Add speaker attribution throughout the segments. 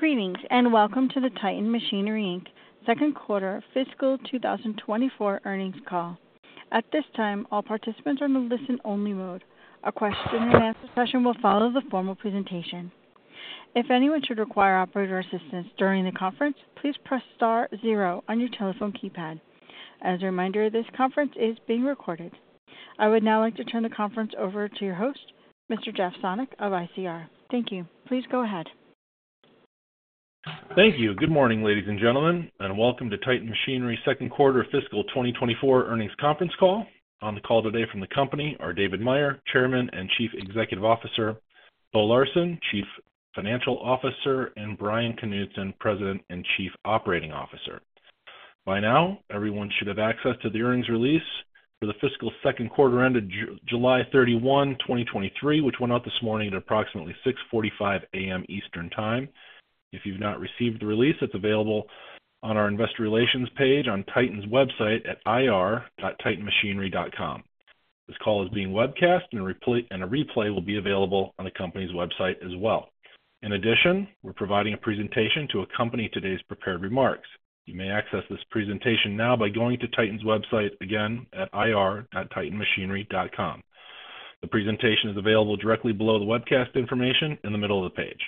Speaker 1: Greetings, and welcome to the Titan Machinery Inc. Second Quarter Fiscal 2024 Earnings Call. At this time, all participants are on listen-only mode. A question-and-answer session will follow the formal presentation. If anyone should require operator assistance during the conference, please press star zero on your telephone keypad. As a reminder, this conference is being recorded. I would now like to turn the conference over to your host, Mr. Jeff Sonnek of ICR. Thank you. Please go ahead.
Speaker 2: Thank you. Good morning, ladies and gentlemen, and welcome to Titan Machinery's Second Quarter Fiscal 2024 Earnings Conference Call. On the call today from the company are David Meyer, Chairman and Chief Executive Officer; Bo Larsen, Chief Financial Officer; and Bryan Knutson, President and Chief Operating Officer. By now, everyone should have access to the earnings release for the fiscal second quarter ended July 31, 2023, which went out this morning at approximately 6:45 A.M. Eastern Time. If you've not received the release, it's available on our investor relations page on Titan's website at ir.titanmachinery.com. This call is being webcast, and a replay will be available on the company's website as well. In addition, we're providing a presentation to accompany today's prepared remarks. You may access this presentation now by going to Titan's website, again, at ir.titanmachinery.com. The presentation is available directly below the webcast information in the middle of the page.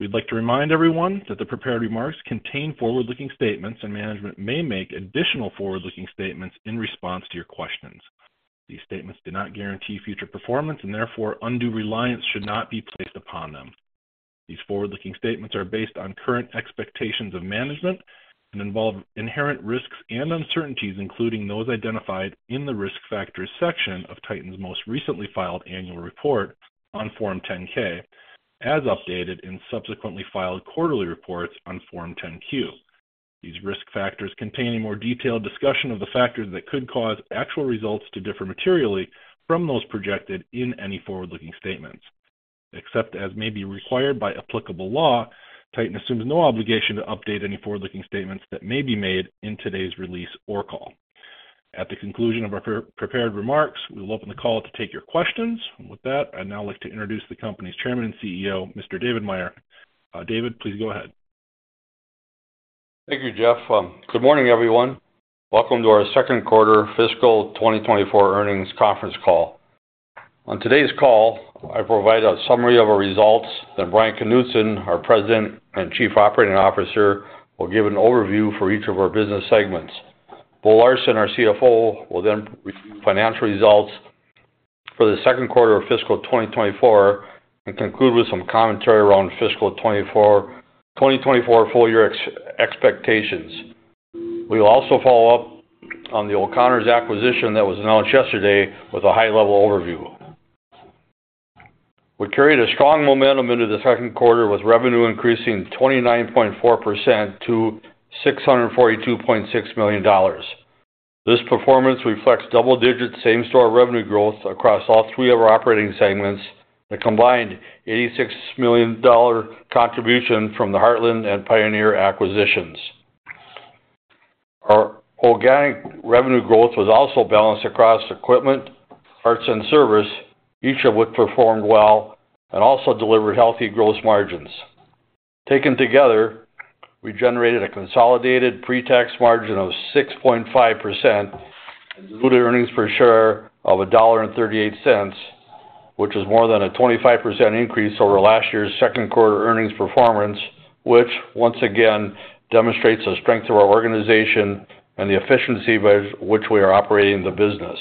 Speaker 2: We'd like to remind everyone that the prepared remarks contain forward-looking statements, and management may make additional forward-looking statements in response to your questions. These statements do not guarantee future performance, and therefore, undue reliance should not be placed upon them. These forward-looking statements are based on current expectations of management and involve inherent risks and uncertainties, including those identified in the Risk Factors section of Titan's most recently filed annual report on Form 10-K, as updated in subsequently filed quarterly reports on Form 10-Q. These risk factors contain a more detailed discussion of the factors that could cause actual results to differ materially from those projected in any forward-looking statements. Except as may be required by applicable law, Titan assumes no obligation to update any forward-looking statements that may be made in today's release or call. At the conclusion of our prepared remarks, we will open the call to take your questions. With that, I'd now like to introduce the company's Chairman and CEO, Mr. David Meyer. David, please go ahead.
Speaker 3: Thank you, Jeff. Good morning, everyone. Welcome to our second quarter fiscal 2024 earnings conference call. On today's call, I provide a summary of our results, then Bryan Knutson, our President and Chief Operating Officer, will give an overview for each of our business segments. Bo Larsen, our CFO, will then review financial results for the second quarter of fiscal 2024 and conclude with some commentary around fiscal 2024 full-year expectations. We will also follow up on the O'Connors acquisition that was announced yesterday with a high-level overview. We carried a strong momentum into the second quarter, with revenue increasing 29.4% to $642.6 million. This performance reflects double-digit same-store revenue growth across all three of our operating segments and a combined $86 million contribution from the Heartland and Pioneer acquisitions. Our organic revenue growth was also balanced across equipment, parts, and service, each of which performed well and also delivered healthy gross margins. Taken together, we generated a consolidated pre-tax margin of 6.5% and diluted earnings per share of $1.38, which is more than a 25% increase over last year's second quarter earnings performance, which once again demonstrates the strength of our organization and the efficiency by which we are operating the business.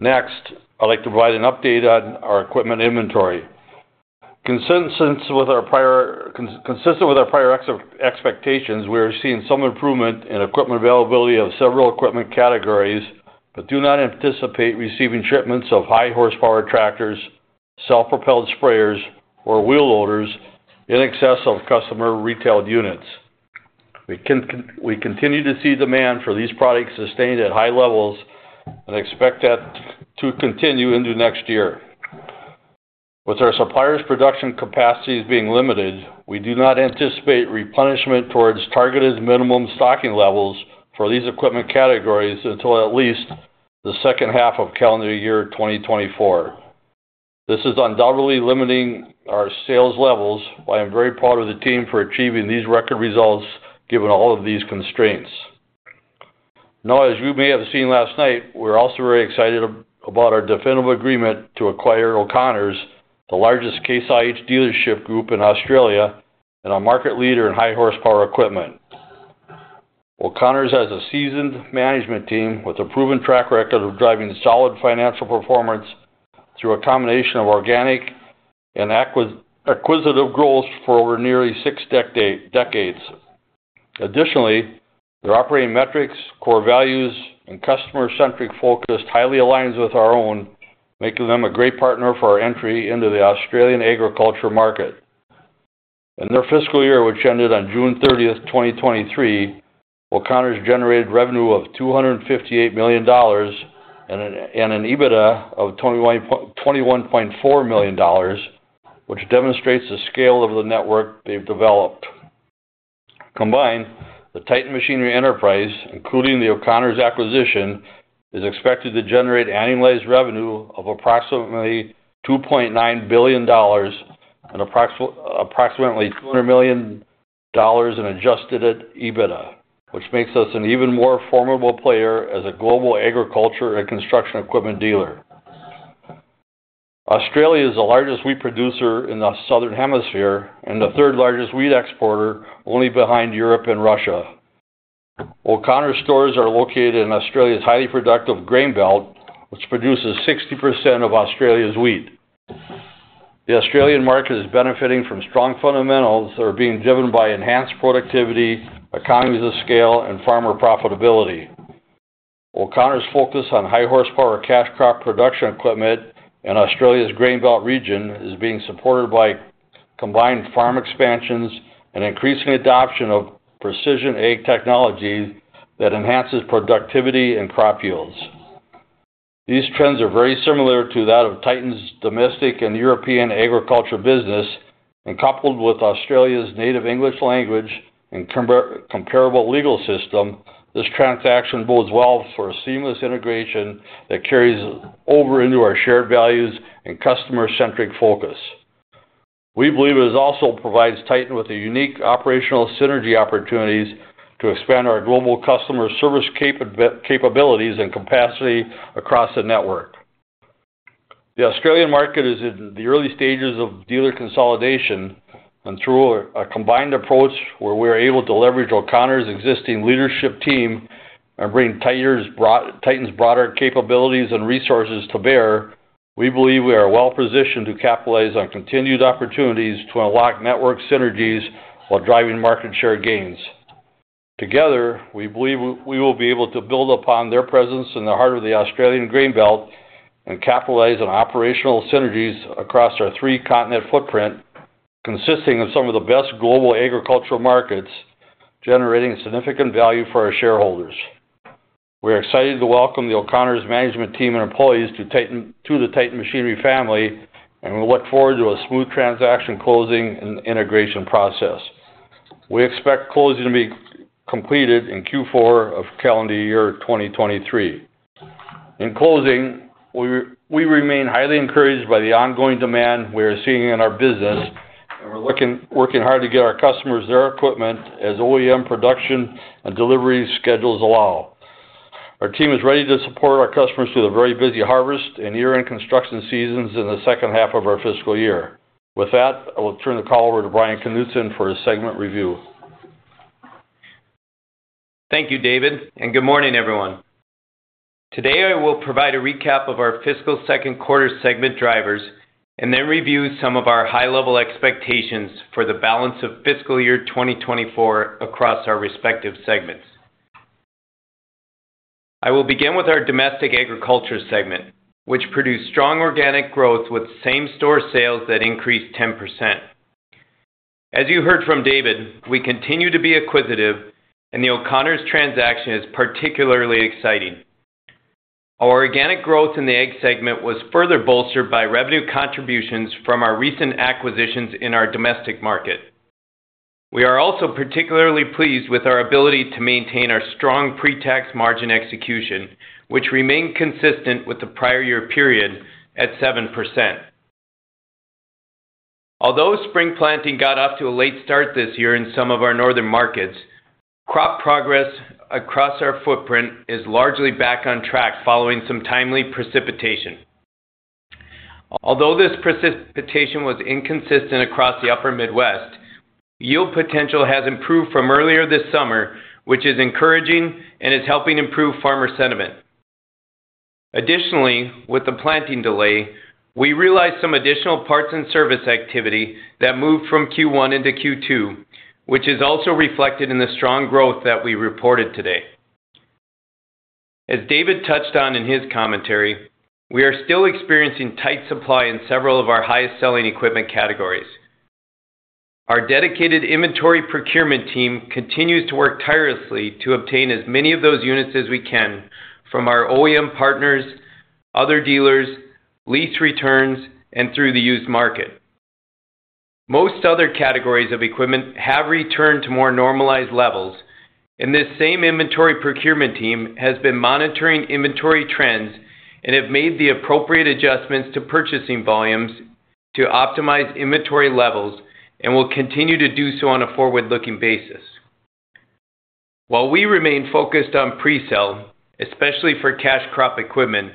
Speaker 3: Next, I'd like to provide an update on our equipment inventory. Consistent with our prior expectations, we are seeing some improvement in equipment availability of several equipment categories but do not anticipate receiving shipments of high-horsepower tractors, self-propelled sprayers, or wheel loaders in excess of customer retailed units. We continue to see demand for these products sustained at high levels and expect that to continue into next year. With our suppliers' production capacities being limited, we do not anticipate replenishment towards targeted minimum stocking levels for these equipment categories until at least the second half of calendar year 2024. This is undoubtedly limiting our sales levels. I am very proud of the team for achieving these record results, given all of these constraints. Now, as you may have seen last night, we're also very excited about our definitive agreement to acquire O'Connors, the largest Case IH dealership group in Australia and a market leader in high-horsepower equipment. O'Connors has a seasoned management team with a proven track record of driving solid financial performance through a combination of organic and acquisitive growth for over nearly six decades. Additionally, their operating metrics, core values, and customer-centric focus highly align with our own, making them a great partner for our entry into the Australian agriculture market. In their fiscal year, which ended on June 30, 2023, O'Connors generated revenue of $258 million and an EBITDA of $21.4 million, which demonstrates the scale of the network they've developed.... Combined, the Titan Machinery enterprise, including the O'Connors acquisition, is expected to generate annualized revenue of approximately $2.9 billion and approximately $200 million in adjusted EBITDA, which makes us an even more formidable player as a global agriculture and construction equipment dealer. Australia is the largest wheat producer in the Southern Hemisphere and the third-largest wheat exporter, only behind Europe and Russia. O'Connors' stores are located in Australia's highly productive grain belt, which produces 60% of Australia's wheat. The Australian market is benefiting from strong fundamentals that are being driven by enhanced productivity, economies of scale, and farmer profitability. O'Connors' focus on high-horsepower cash-crop production equipment in Australia's grain belt region is being supported by combined farm expansions and increasing adoption of precision ag technology that enhances productivity and crop yields. These trends are very similar to that of Titan's domestic and European agriculture business, and coupled with Australia's native English-language and comparable legal system, this transaction bodes well for a seamless integration that carries over into our shared values and customer-centric focus. We believe it also provides Titan with a unique operational synergy opportunities to expand our global customer service capabilities and capacity across the network. The Australian market is in the early stages of dealer consolidation and through a combined approach where we're able to leverage O'Connors' existing leadership team and bring Titan's broader capabilities and resources to bear, we believe we are well-positioned to capitalize on continued opportunities to unlock network synergies while driving market share gains. Together, we believe we will be able to build upon their presence in the heart of the Australian grain belt and capitalize on operational synergies across our three-continent footprint, consisting of some of the best global agricultural markets, generating significant value for our shareholders. We are excited to welcome the O'Connors' management team and employees to the Titan Machinery family, and we look forward to a smooth transaction closing and integration process. We expect closing to be completed in Q4 of calendar year 2023. In closing, we remain highly encouraged by the ongoing demand we are seeing in our business, and we're working hard to get our customers their equipment as OEM production and delivery schedules allow. Our team is ready to support our customers through the very busy harvest and year-end construction seasons in the second half of our fiscal year. With that, I will turn the call over to Bryan Knutson for his segment review.
Speaker 4: Thank you, David, and good morning, everyone. Today, I will provide a recap of our fiscal second quarter segment drivers and then review some of our high-level expectations for the balance of fiscal year 2024 across our respective segments. I will begin with our Domestic Agriculture segment, which produced strong organic growth with same-store sales that increased 10%. As you heard from David, we continue to be acquisitive, and the O'Connors transaction is particularly exciting. Our organic growth in the ag segment was further bolstered by revenue contributions from our recent acquisitions in our domestic market. We are also particularly pleased with our ability to maintain our strong pre-tax margin execution, which remained consistent with the prior year period at 7%. Although spring planting got off to a late start this year in some of our northern markets, crop progress across our footprint is largely back on track following some timely precipitation. Although this precipitation was inconsistent across the upper Midwest, yield potential has improved from earlier this summer, which is encouraging and is helping improve farmer-sentiment. Additionally, with the planting delay, we realized some additional parts and service activity that moved from Q1 into Q2, which is also reflected in the strong growth that we reported today. As David touched on in his commentary, we are still experiencing tight supply in several of our highest-selling equipment categories. Our dedicated inventory procurement team continues to work tirelessly to obtain as many of those units as we can from our OEM partners, other dealers, lease returns, and through the used market. Most other categories of equipment have returned to more normalized levels, and this same inventory procurement team has been monitoring inventory trends and have made the appropriate adjustments to purchasing volumes to optimize inventory levels and will continue to do so on a forward-looking basis. While we remain focused on pre-sale, especially for cash-crop equipment,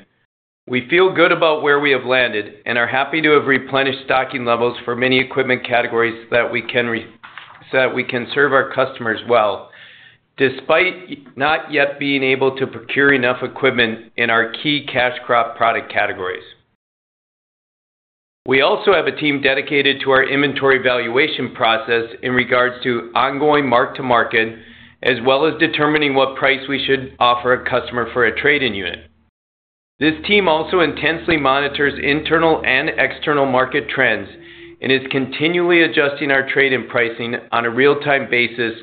Speaker 4: we feel good about where we have landed and are happy to have replenished stocking levels for many equipment categories that we can so that we can serve our customers well, despite not yet being able to procure enough equipment in our key cash-crop product categories. We also have a team dedicated to our inventory valuation process in regards to ongoing mark-to-market, as well as determining what price we should offer a customer for a trade-in unit. This team also intensely monitors internal and external market trends and is continually adjusting our trade-in pricing on a real-time basis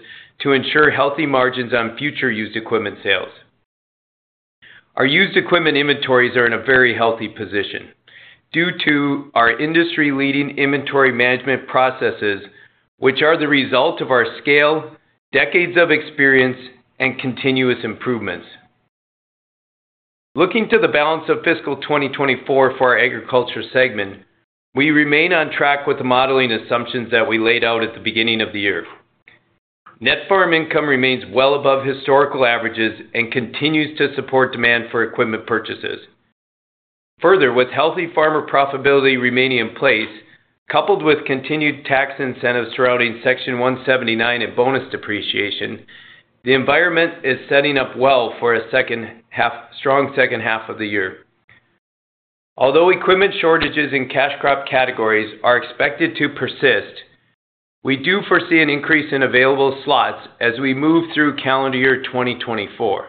Speaker 4: to ensure healthy margins on future used-equipment sales. Our used-equipment inventories are in a very healthy position due to our industry-leading inventory management processes, which are the result of our scale, decades of experience, and continuous improvements. Looking to the balance of fiscal 2024 for our Agriculture segment, we remain on track with the modeling assumptions that we laid out at the beginning of the year. Net Farm Income remains well above historical averages and continues to support demand for equipment purchases. Further, with healthy farmer profitability remaining in place, coupled with continued tax incentives throughout Section 179 and Bonus Depreciation, the environment is setting up well for a strong second half of the year. Although equipment shortages in cash-crop categories are expected to persist, we do foresee an increase in available slots as we move through calendar year 2024.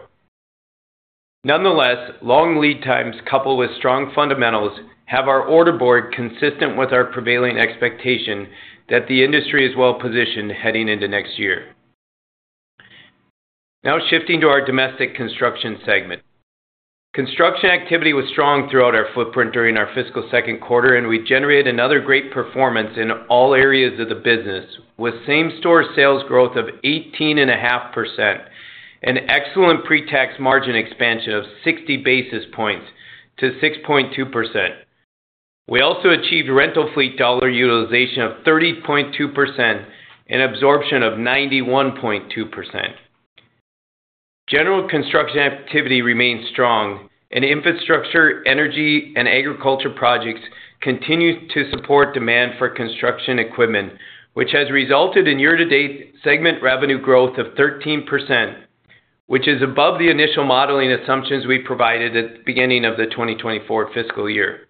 Speaker 4: Nonetheless, long lead times, coupled with strong fundamentals, have our order board consistent with our prevailing expectation that the industry is well-positioned heading into next year. Now, shifting to our Domestic Construction segment. Construction activity was strong throughout our footprint during our fiscal second quarter, and we generated another great performance in all areas of the business, with same-store sales growth of 18.5%, and excellent pre-tax margin expansion of 60 basis points to 6.2%. We also achieved rental fleet dollar utilization of 30.2% and absorption of 91.2%. General construction activity remains strong, and infrastructure, energy, and agriculture projects continue to support demand for construction equipment, which has resulted in year-to-date segment revenue growth of 13%, which is above the initial modeling assumptions we provided at the beginning of the 2024 fiscal year.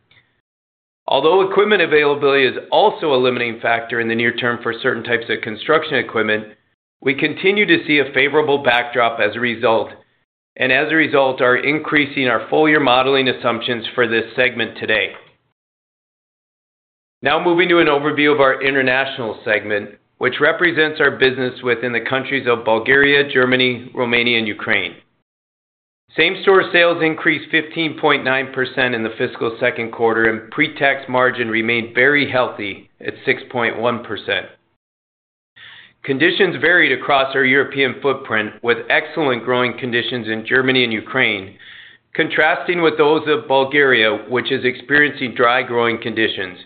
Speaker 4: Although equipment availability is also a limiting factor in the near term for certain types of construction equipment, we continue to see a favorable backdrop as a result, and as a result, are increasing our full-year modeling assumptions for this segment today. Now moving to an overview of our International segment, which represents our business within the countries of Bulgaria, Germany, Romania and Ukraine. Same-store sales increased 15.9% in the fiscal second quarter, and pre-tax margin remained very healthy at 6.1%. Conditions varied across our European footprint, with excellent growing conditions in Germany and Ukraine, contrasting with those of Bulgaria, which is experiencing dry growing conditions,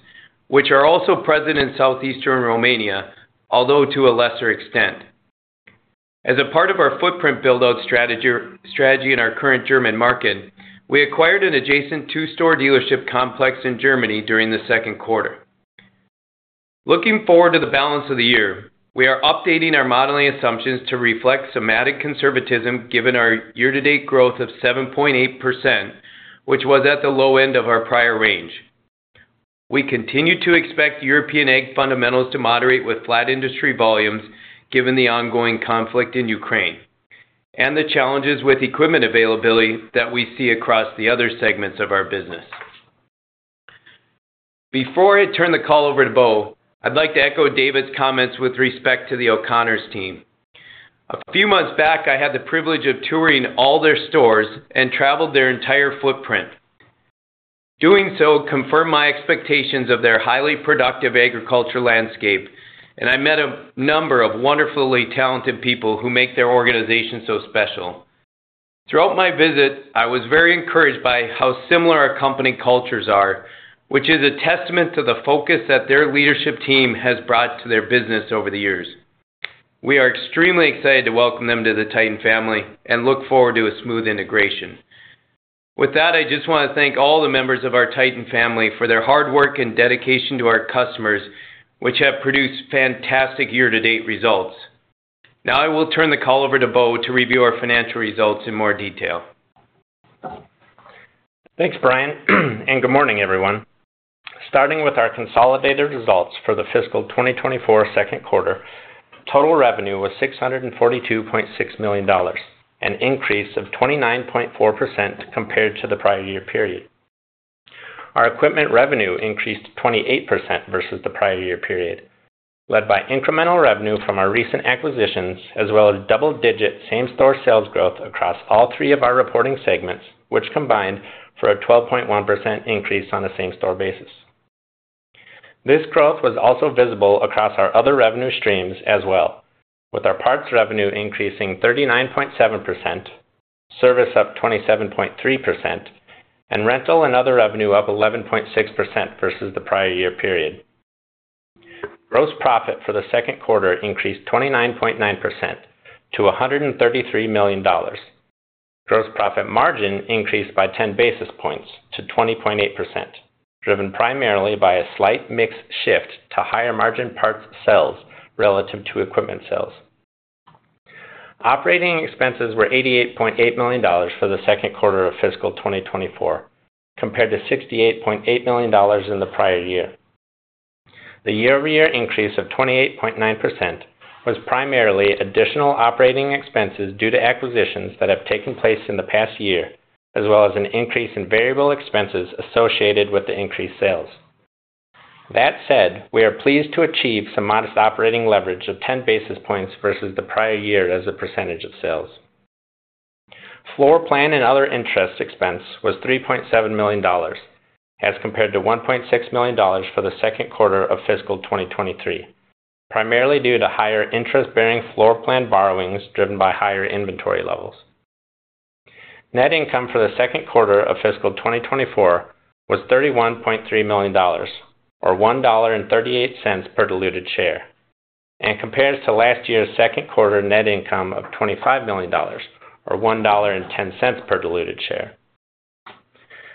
Speaker 4: which are also present in southeastern Romania, although to a lesser extent. As a part of our footprint build-out strategy in our current German market, we acquired an adjacent two-store dealership complex in Germany during the second quarter. Looking forward to the balance of the year, we are updating our modeling assumptions to reflect cautious conservatism, given our year-to-date growth of 7.8%, which was at the low end of our prior range. We continue to expect European ag fundamentals to moderate with flat industry volumes, given the ongoing conflict in Ukraine and the challenges with equipment availability that we see across the other segments of our business. Before I turn the call over to Bo, I'd like to echo David's comments with respect to the O'Connors' team. A few months back, I had the privilege of touring all their stores and traveled their entire footprint. Doing so confirmed my expectations of their highly productive agriculture landscape, and I met a number of wonderfully talented people who make their organization so special. Throughout my visit, I was very encouraged by how similar our company cultures are, which is a testament to the focus that their leadership team has brought to their business over the years. We are extremely excited to welcome them to the Titan family and look forward to a smooth integration. With that, I just want to thank all the members of our Titan family for their hard work and dedication to our customers, which have produced fantastic year-to-date results. Now, I will turn the call over to Bo to review our financial results in more detail.
Speaker 5: Thanks, Bryan, and good morning, everyone. Starting with our consolidated results for the fiscal 2024 second quarter, total revenue was $642.6 million, an increase of 29.4% compared to the prior year period. Our equipment revenue increased 28% versus the prior year period, led by incremental revenue from our recent acquisitions, as well as double-digit same-store sales growth across all three of our reporting segments, which combined for a 12.1% increase on a same-store basis. This growth was also visible across our other revenue streams as well, with our parts revenue increasing 39.7%, service up 27.3%, and rental and other revenue up 11.6% versus the prior year period. Gross profit for the second quarter increased 29.9% to $133 million. Gross profit margin increased by 10 basis points to 20.8%, driven primarily by a slight mix shift to higher-margin parts sales relative to equipment sales. Operating expenses were $88.8 million for the second quarter of fiscal 2024, compared to $68.8 million in the prior year. The year-over-year increase of 28.9% was primarily additional operating expenses due to acquisitions that have taken place in the past year, as well as an increase in variable expenses associated with the increased sales…. That said, we are pleased to achieve some modest operating leverage of 10 basis points versus the prior year as a percentage of sales. Floor plan and other interest expense was $3.7 million, as compared to $1.6 million for the second quarter of fiscal 2023, primarily due to higher interest-bearing floor plan borrowings driven by higher inventory levels. Net income for the second quarter of fiscal 2024 was $31.3 million, or $1.38 per diluted share, and compares to last year's second quarter net income of $25 million, or $1.10 per diluted share.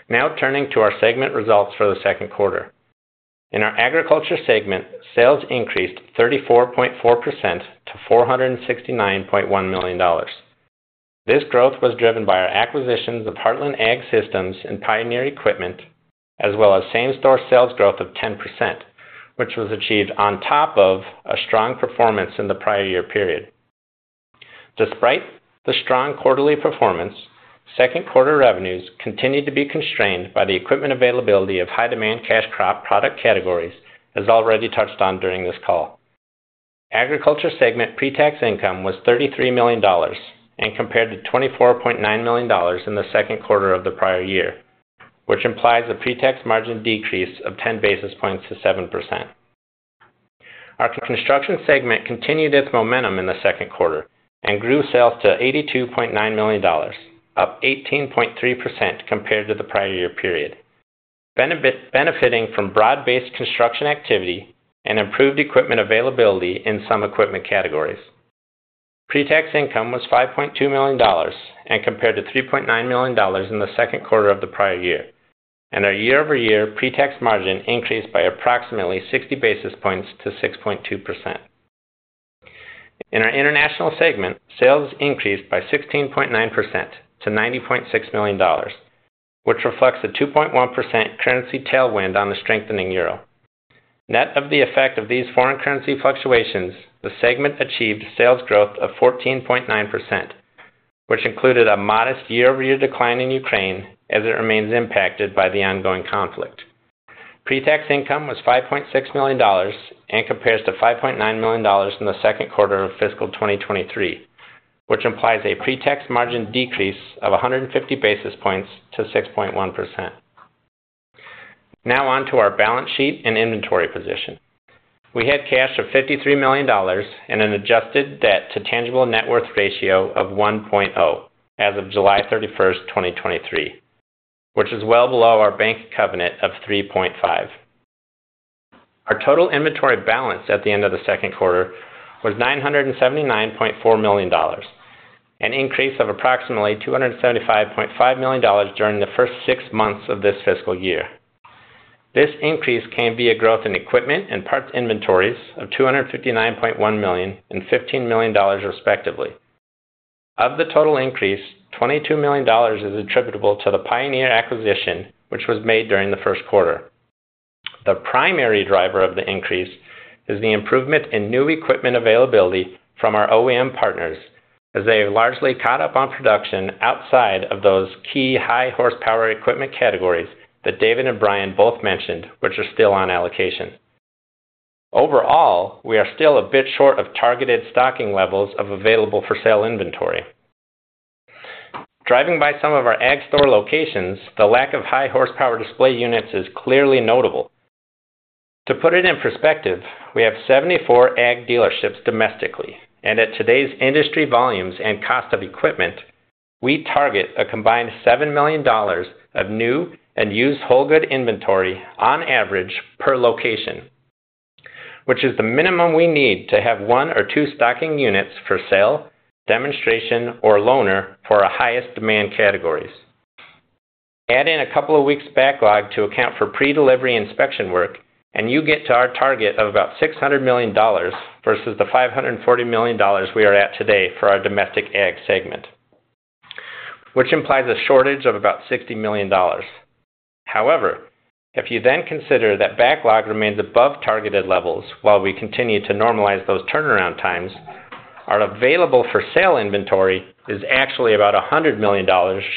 Speaker 5: Now turning to our segment results for the second quarter. In our Agriculture segment, sales increased 34.4% to $469.1 million. This growth was driven by our acquisitions of Heartland Ag Systems and Pioneer Equipment, as well as same-store sales growth of 10%, which was achieved on top of a strong performance in the prior year period. Despite the strong quarterly performance, second quarter revenues continued to be constrained by the equipment availability of high-demand cash-crop product categories, as already touched on during this call. Agriculture segment pretax income was $33 million and compared to $24.9 million in the second quarter of the prior year, which implies a pretax margin decrease of 10 basis points to 7%. Our Construction segment continued its momentum in the second quarter and grew sales to $82.9 million, up 18.3% compared to the prior year period, benefiting from broad-based construction activity and improved equipment availability in some equipment categories. Pretax income was $5.2 million and compared to $3.9 million in the second quarter of the prior year. Our year-over-year pretax margin increased by approximately 60 basis points to 6.2%. In our International segment, sales increased by 16.9% to $90.6 million, which reflects a 2.1 currency tailwind on the strengthening euro. Net of the effect of these foreign-currency fluctuations, the segment achieved sales growth of 14.9%, which included a modest year-over-year decline in Ukraine as it remains impacted by the ongoing conflict. Pretax income was $5.6 million and compares to $5.9 million in the second quarter of fiscal 2023, which implies a pretax margin decrease of 150 basis points to 6.1%. Now on to our balance sheet and inventory position. We had cash of $53 million and an adjusted debt to tangible net worth ratio of 1.0 as of July 31, 2023, which is well below our bank covenant of 3.5. Our total inventory balance at the end of the second quarter was $979.4 million, an increase of approximately $275.5 million during the first six months of this fiscal year. This increase came via growth in equipment and parts inventories of $259.1 million and $15 million, respectively. Of the total increase, $22 million is attributable to the Pioneer acquisition, which was made during the first quarter. The primary driver of the increase is the improvement in new equipment availability from our OEM partners, as they have largely caught up on production outside of those key high-horsepower equipment categories that David and Bryan both mentioned, which are still on allocation. Overall, we are still a bit short of targeted stocking levels of available-for-sale inventory. Driving by some of our ag store locations, the lack of high-horsepower display units is clearly notable. To put it in perspective, we have 74 ag dealerships domestically, and at today's industry volumes and cost of equipment, we target a combined $7 million of new and used whole good inventory on average per location, which is the minimum we need to have one or two stocking units for sale, demonstration, or loaner for our highest demand categories. Add in a couple of weeks backlog to account for pre-delivery inspection work, and you get to our target of about $600 million versus the $540 million we are at today for our domestic ag segment, which implies a shortage of about $60 million. However, if you then consider that backlog remains above targeted levels while we continue to normalize those turnaround times, our available-for-sale inventory is actually about $100 million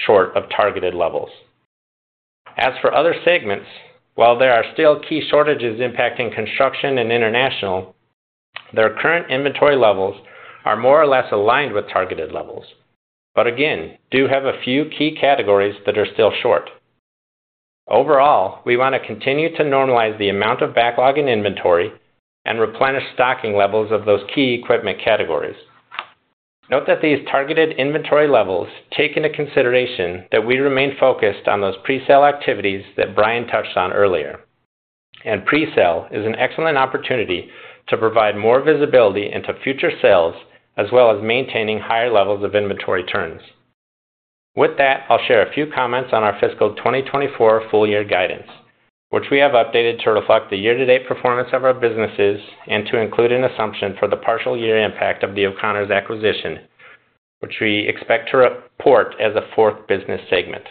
Speaker 5: short of targeted levels. As for other segments, while there are still key shortages impacting construction and international, their current inventory levels are more or less aligned with targeted levels, but again, do have a few key categories that are still short. Overall, we want to continue to normalize the amount of backlog and inventory and replenish stocking levels of those key equipment categories. Note that these targeted inventory levels take into consideration that we remain focused on those presale activities that Bryan touched on earlier, and presale is an excellent opportunity to provide more visibility into future sales, as well as maintaining higher levels of inventory turns. With that, I'll share a few comments on our fiscal 2024 full-year guidance, which we have updated to reflect the year-to-date performance of our businesses and to include an assumption for the partial year impact of the O'Connors acquisition, which we expect to report as a fourth business segment.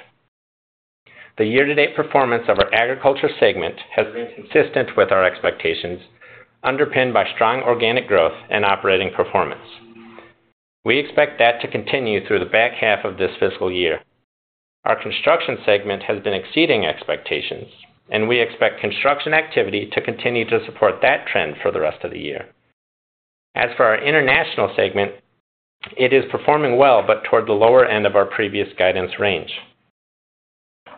Speaker 5: The year-to-date performance of our Agriculture segment has been consistent with our expectations, underpinned by strong organic growth and operating performance. We expect that to continue through the back-half of this fiscal year. Our Construction segment has been exceeding expectations, and we expect construction activity to continue to support that trend for the rest of the year. As for our International segment, it is performing well, but toward the lower end of our previous guidance range.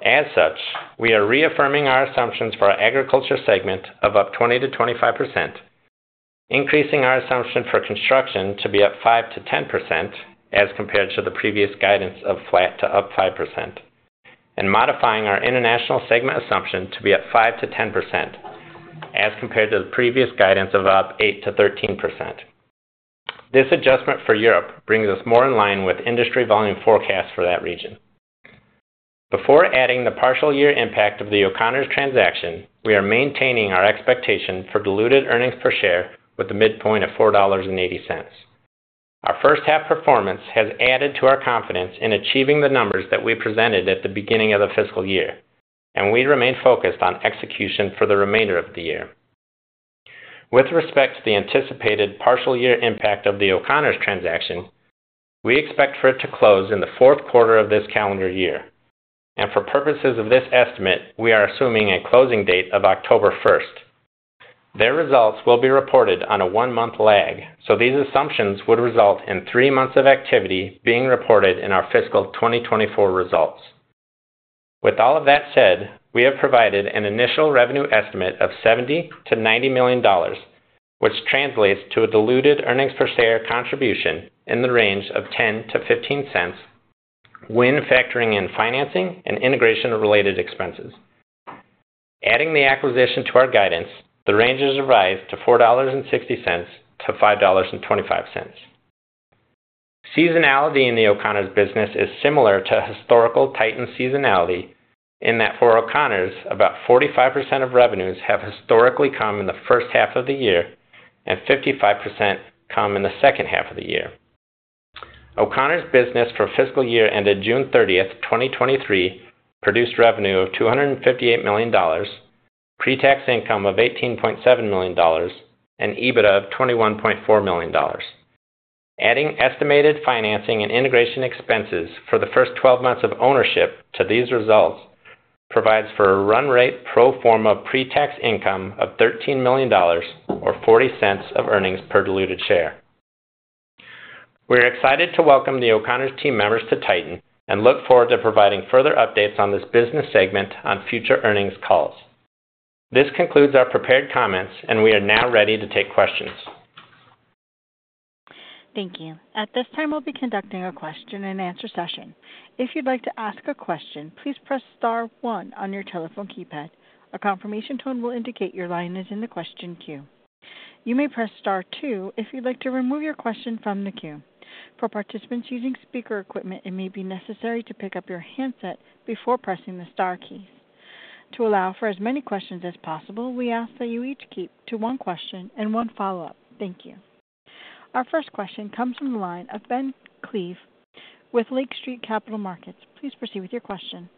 Speaker 5: As such, we are reaffirming our assumptions for our Agriculture segment of up 20%-25%, increasing our assumption for construction to be up 5%-10% as compared to the previous guidance of flat to up 5%, and modifying our International segment assumption to be up 5%-10% as compared to the previous guidance of up 8%-13%. This adjustment for Europe brings us more in line with industry volume forecasts for that region. Before adding the partial year impact of the O'Connors transaction, we are maintaining our expectation for diluted earnings per share with a midpoint of $4.80. Our first half performance has added to our confidence in achieving the numbers that we presented at the beginning of the fiscal year, and we remain focused on execution for the remainder of the year. With respect to the anticipated partial year impact of the O'Connors transaction, we expect for it to close in the fourth quarter of this calendar year, and for purposes of this estimate, we are assuming a closing date of October 1. Their results will be reported on a one-month lag, so these assumptions would result in three months of activity being reported in our fiscal 2024 results. With all of that said, we have provided an initial revenue estimate of $70 million-$90 million, which translates to a diluted earnings per share contribution in the range of $0.10-$0.15 when factoring in financing and integration-related expenses. Adding the acquisition to our guidance, the range is revised to $4.60-$5.25. Seasonality in the O'Connors' business is similar to historical Titan seasonality, in that for O'Connors', about 45% of revenues have historically come in the first half of the year and 55% come in the second half of the year. O'Connors' business for fiscal year, ended June 30, 2023, produced revenue of $258 million, pretax income of $18.7 million, and EBITDA of $21.4 million. Adding estimated financing and integration expenses for the first 12 months of ownership to these results provides for a run rate pro forma pre-tax income of $13 million, or $0.40 of earnings per diluted share. We are excited to welcome the O'Connors team members to Titan and look forward to providing further updates on this business segment on future earnings calls. This concludes our prepared comments, and we are now ready to take questions.
Speaker 1: Thank you. At this time, we'll be conducting a question-and-answer session. If you'd like to ask a question, please press star one on your telephone keypad. A confirmation tone will indicate your line is in the question queue. You may press star two if you'd like to remove your question from the queue. For participants using speaker equipment, it may be necessary to pick up your handset before pressing the star key. To allow for as many questions as possible, we ask that you each keep to one question and one follow-up. Thank you. Our first question comes from the line of Ben Klieve with Lake Street Capital Markets. Please proceed with your question.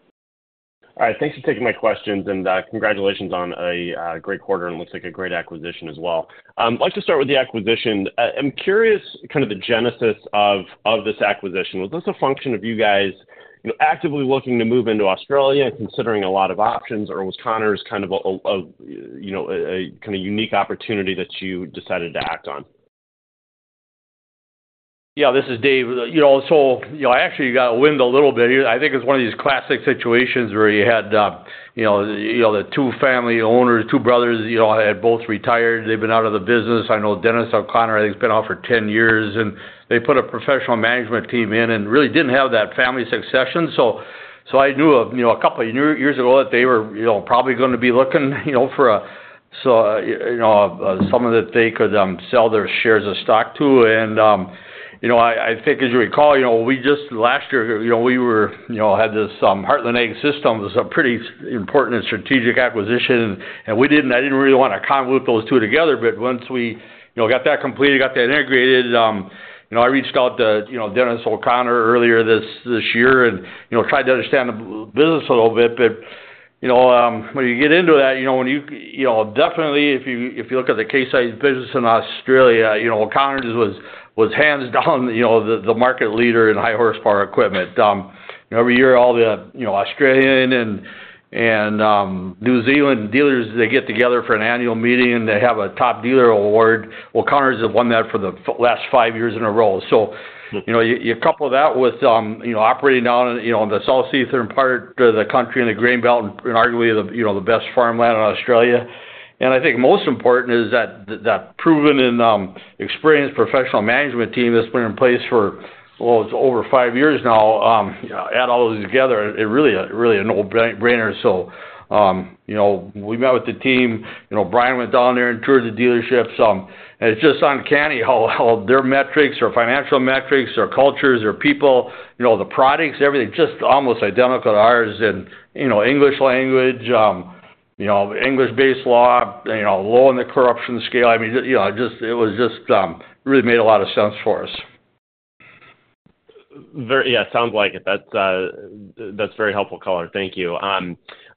Speaker 6: All right, thanks for taking my questions, and congratulations on a great quarter and looks like a great acquisition as well. I'd like to start with the acquisition. I'm curious, kind of the genesis of this acquisition. Was this a function of you guys, you know, actively looking to move into Australia and considering a lot of options, or was O'Connors kind of a you know a kind of unique opportunity that you decided to act on?
Speaker 5: Yeah, this is Dave. You know, so, you know, I actually got wind a little bit. I think it's one of these classic situations where you had, you know, the two family owners, two brothers, you know, had both retired. They've been out of the business. I know Dennis O'Connor, I think, has been out for 10 years, and they put a professional management team in and really didn't have that family succession. So, so I knew, you know, a couple of years ago that they were, you know, probably going to be looking, you know, for a so, you know, someone that they could sell their shares of stock to. And, you know, I think, as you recall, you know, we just last year, you know, we were, you know, had this Heartland Ag Systems, a pretty important strategic acquisition, and we didn't, I didn't really want to conclude those two together. But once we, you know, got that completed, got that integrated, you know, I reached out to, you know, Dennis O'Connor earlier this year and, you know, tried to understand the business a little bit. But, you know, when you get into that, you know, when you, you know, definitely if you, if you look at the Case IH business in Australia, you know, O'Connor's was hands down, you know, the market leader in high-horsepower equipment. Every year, all the Australian and New Zealand dealers get together for an annual meeting, and they have a top dealer award. O'Connors have won that for the last five years in a row. So, you know, you couple that with operating down in the southeastern part of the country, in the grain belt, and arguably the best farmland in Australia. And I think most important is that proven and experienced professional management team that's been in place for, well, over five years now. Add all of these together, it really, really a no-brainer. So, you know, we met with the team. You know, Bryan went down there and toured the dealerships. And it's just uncanny how their metrics, or financial metrics, their cultures, their people, you know, the products, everything just almost identical to ours. And, you know, English language, you know, English-based law, you know, low on the corruption scale. I mean, you know, just, it was just really made a lot of sense for us....
Speaker 6: Yeah, sounds like it. That's, that's very helpful, color. Thank you.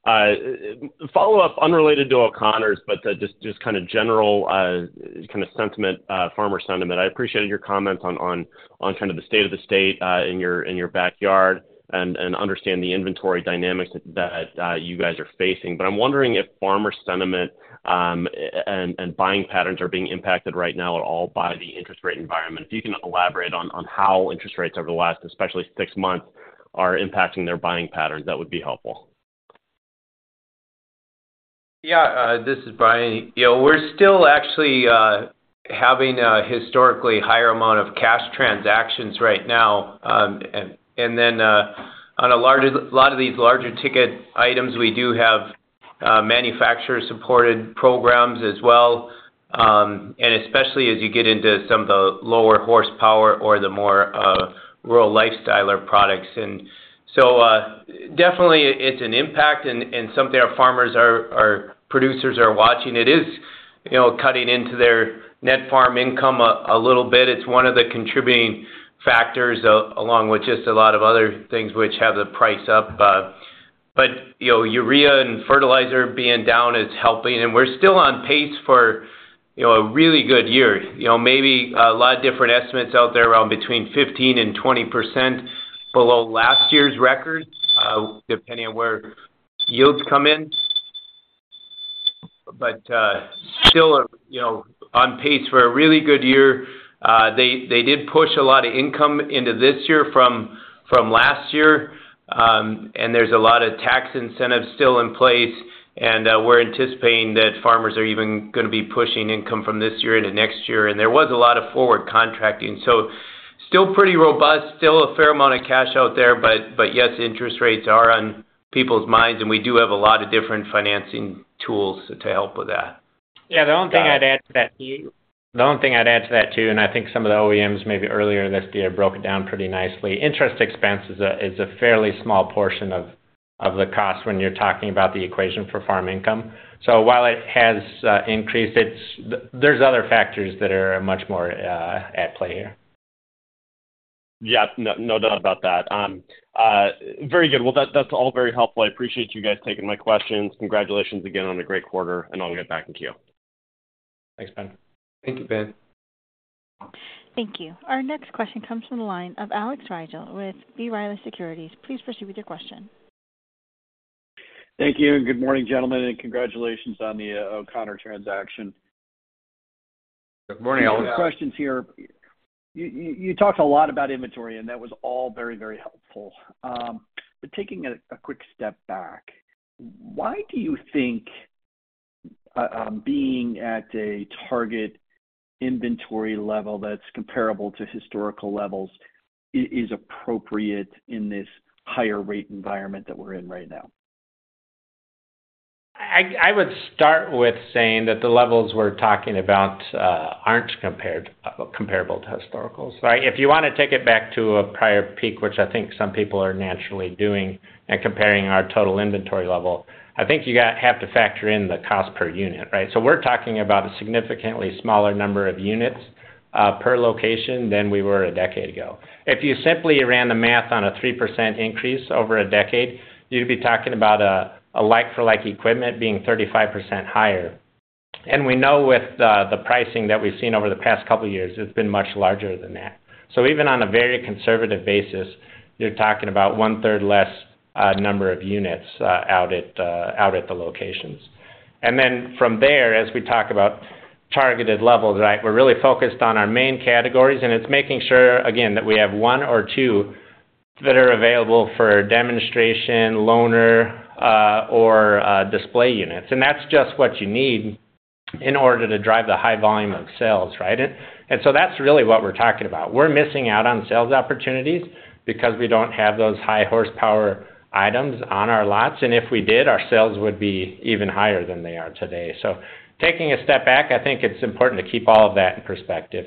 Speaker 6: Follow-up, unrelated to O'Connors, but just, just kind of general, kind of sentiment, farmer-sentiment. I appreciated your comments on, on, on kind of the state of the state, in your, in your backyard and, and understand the inventory dynamics that, you guys are facing. But I'm wondering if farmer-sentiment, and, and buying patterns are being impacted right now at all by the interest rate environment. If you can elaborate on, on how interest rates over the last, especially six months, are impacting their buying patterns, that would be helpful.
Speaker 4: Yeah, this is Bryan. You know, we're still actually having a historically higher amount of cash transactions right now. And then, on larger ticket items, we do have manufacturer-supported programs as well. And especially as you get into some of the lower horsepower or the more rural lifestyler products. And so, definitely, it's an impact and something our farmers are – our producers are watching. It is, you know, cutting into their net farm income a little bit. It's one of the contributing factors, along with just a lot of other things which have the price up. But, you know, urea and fertilizer being down is helping, and we're still on pace for, you know, a really good year. You know, maybe a lot of different estimates out there around between 15% and 20% below last year's records, depending on where yields come in. But still, you know, on pace for a really good year. They did push a lot of income into this year from last year, and there's a lot of tax incentives still in place, and we're anticipating that farmers are even gonna be pushing income from this year into next year. And there was a lot of forward contracting, so still pretty robust, still a fair amount of cash out there. But yes, interest rates are on people's minds, and we do have a lot of different financing tools to help with that.
Speaker 5: Yeah, the only thing I'd add to that, the only thing I'd add to that, too, and I think some of the OEMs maybe earlier this year broke it down pretty nicely. Interest expense is a fairly small portion of the cost when you're talking about the equation for farm income. So while it has increased, it's... there's other factors that are much more at play here.
Speaker 6: Yeah, no, no doubt about that. Very good. Well, that's, that's all very helpful. I appreciate you guys taking my questions. Congratulations again on a great quarter, and I'll get back into queue.
Speaker 5: Thanks, Ben.
Speaker 4: Thank you, Ben.
Speaker 1: Thank you. Our next question comes from the line of Alex Rygiel with B. Riley Securities. Please proceed with your question.
Speaker 7: Thank you, and good morning, gentlemen, and congratulations on the O'Connors transaction.
Speaker 4: Good morning, Alex.
Speaker 6: Yeah.
Speaker 7: A few questions here. You talked a lot about inventory, and that was all very, very helpful. But taking a quick step back, why do you think being at a target inventory level that's comparable to historical levels is appropriate in this higher rate environment that we're in right now?
Speaker 5: I would start with saying that the levels we're talking about aren't comparable to historicals, right? If you want to take it back to a prior peak, which I think some people are naturally doing and comparing our total inventory level, I think you have to factor in the cost per unit, right? So we're talking about a significantly smaller number of units per location than we were a decade ago. If you simply ran the math on a 3% increase over a decade, you'd be talking about a like for like equipment being 35% higher. And we know with the pricing that we've seen over the past couple of years, it's been much larger than that. So even on a very conservative basis, you're talking about one-third less number of units out at the locations. And then from there, as we talk about targeted levels, right, we're really focused on our main categories, and it's making sure, again, that we have one or two that are available for demonstration, loaner, or display units. And that's just what you need in order to drive the high volume of sales, right? And so that's really what we're talking about. We're missing out on sales opportunities because we don't have those high-horsepower items on our lots, and if we did, our sales would be even higher than they are today. So taking a step back, I think it's important to keep all of that in perspective.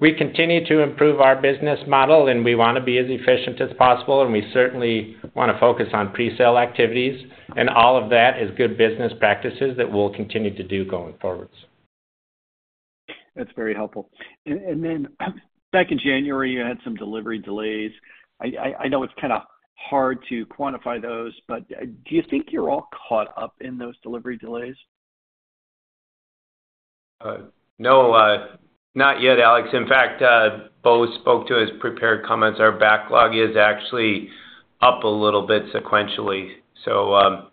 Speaker 5: We continue to improve our business model, and we want to be as efficient as possible, and we certainly want to focus on presale activities. All of that is good business practices that we'll continue to do going forward.
Speaker 7: That's very helpful. And then back in January, you had some delivery delays. I know it's kind of hard to quantify those, but do you think you're all caught up in those delivery delays?
Speaker 5: No, not yet, Alex. In fact, Bo spoke to his prepared comments. Our backlog is actually up a little bit sequentially. So,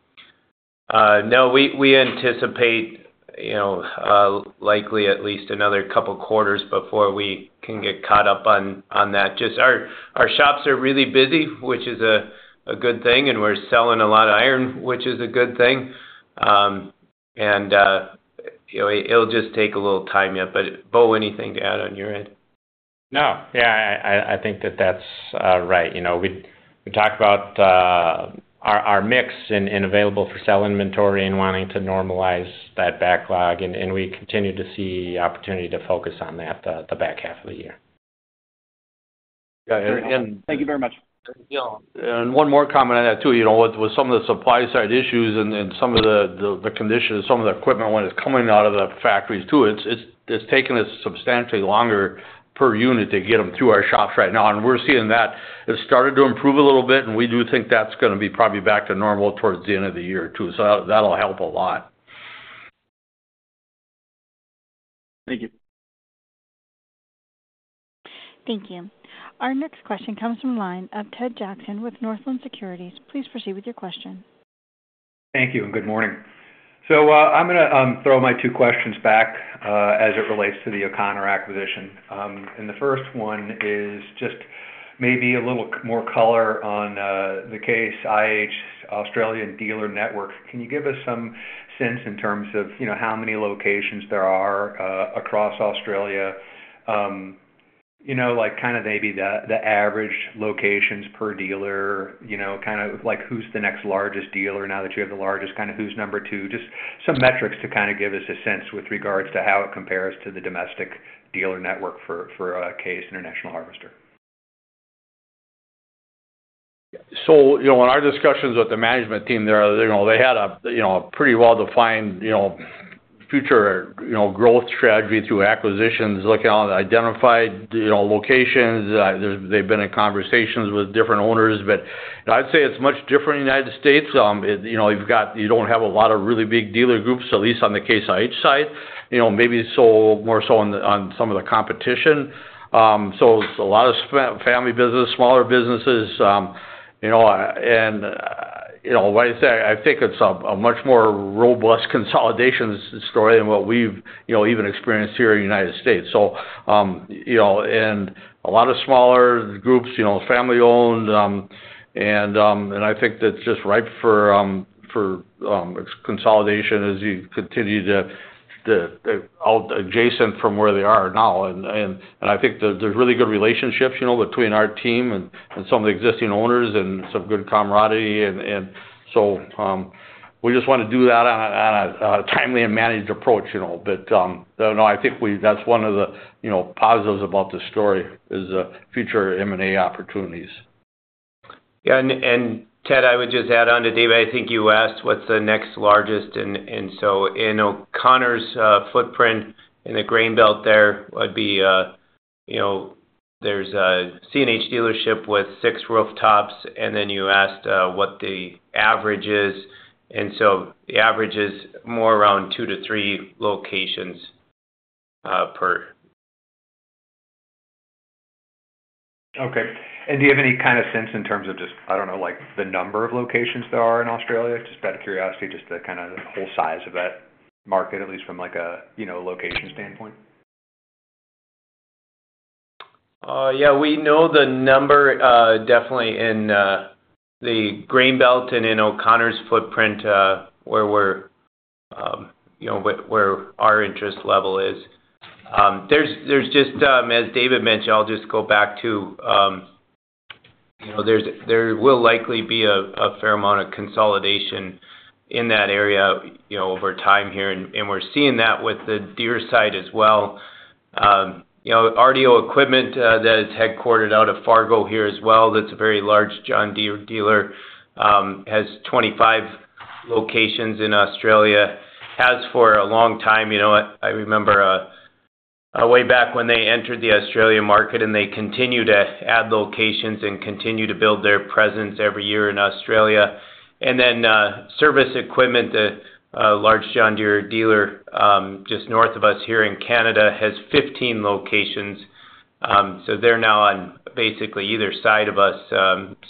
Speaker 5: no, we anticipate, you know, likely at least another couple of quarters before we can get caught up on that. Just our shops are really busy, which is a good thing, and we're selling a lot of iron, which is a good thing. And, you know, it'll just take a little time yet. But Bo, anything to add on your end?
Speaker 4: No. Yeah, I think that's right. You know, we talked about our mix and available for sale inventory and wanting to normalize that backlog, and we continue to see opportunity to focus on that in the back-half of the year. Yeah, and thank you very much.
Speaker 3: You know, and one more comment on that, too. You know, with some of the supply-side issues and some of the conditions, some of the equipment, when it's coming out of the factories, too, it's taking us substantially longer per unit to get them through our shops right now. And we're seeing that it's started to improve a little bit, and we do think that's gonna be probably back to normal towards the end of the year, too. So that, that'll help a lot.
Speaker 4: Thank you.
Speaker 1: Thank you. Our next question comes from line of Ted Jackson with Northland Securities. Please proceed with your question.
Speaker 8: Thank you, and good morning. So, I'm gonna throw my two questions back as it relates to the O'Connors acquisition. The first one is just maybe a little more color on the Case IH Australian dealer network. Can you give us some sense in terms of, you know, how many locations there are across Australia? You know, like, kind of maybe the average locations per dealer, you know, kind of like, who's the next largest dealer now that you have the largest, kind of, who's number two? Just some metrics to kind of give us a sense with regards to how it compares to the domestic dealer network for Case International Harvester.
Speaker 3: So, you know, in our discussions with the management team there, you know, they had a you know a pretty well-defined you know future you know growth strategy through acquisitions, looking on identified you know locations. They've been in conversations with different owners, but I'd say it's much different in the United States. You know, you've got, you don't have a lot of really big dealer groups, at least on the Case IH side. You know, maybe so, more so on the on some of the competition. So it's a lot of family business, smaller businesses. You know, and, you know, like I say, I think it's a much more robust consolidation story than what we've you know even experienced here in the United States. So, you know, and a lot of smaller groups, you know, family-owned, and I think that's just ripe for consolidation as you continue to out adjacent from where they are now. And I think there's really good relationships, you know, between our team and some of the existing owners and some good camaraderie and so we just want to do that on a timely and managed approach, you know. But no, I think that's one of the, you know, positives about this story is future M&A opportunities.
Speaker 4: Yeah, and Ted, I would just add on to David. I think you asked what's the next largest, and so in O'Connors' footprint in the grain belt there would be, you know, there's a CNH dealership with six rooftops, and then you asked what the average is. And so the average is more around two to three locations per.
Speaker 8: Okay. Do you have any kind of sense in terms of just, I don't know, like, the number of locations there are in Australia? Just out of curiosity, just the kind of the whole size of that market, at least from like a, you know, location standpoint.
Speaker 4: Yeah, we know the number, definitely in the grain belt and in O'Connors' footprint, where we're, you know, where our interest level is. There's just, as David mentioned, I'll just go back to, you know, there will likely be a fair amount of consolidation in that area, you know, over time here, and we're seeing that with the Deere side as well. You know, RDO Equipment, that is headquartered out of Fargo here as well, that's a very large John Deere dealer, has 25 locations in Australia. Has for a long time. You know, I remember way back when they entered the Australian market, and they continued to add locations and continue to build their presence every year in Australia. Then, Cervus Equipment, a large John Deere dealer, just north of us here in Canada, has 15 locations. They're now on basically either side of us.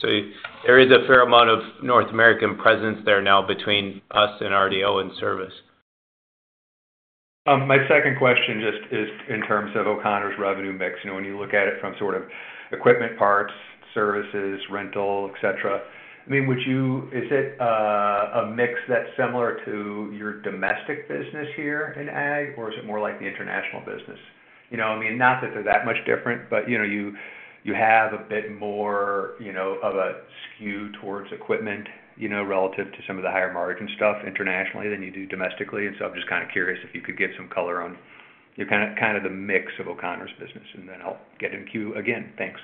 Speaker 4: There is a fair amount of North American presence there now between us and RDO and Service.
Speaker 8: My second question just is in terms of O'Connors' revenue mix. You know, when you look at it from sort of equipment, parts, services, rental, et cetera, I mean, would you, is it a mix that's similar to your domestic business here in ag, or is it more like the international business? You know, I mean, not that they're that much different, but, you know, you have a bit more, you know, of a skew towards equipment, you know, relative to some of the higher margin stuff internationally than you do domestically. And so I'm just kind of curious if you could give some color on your kind of the mix of O'Connors' business, and then I'll get in queue again. Thanks.